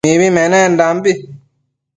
Mibi menendanbi